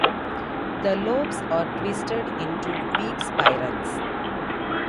The lobes are twisted into weak spirals.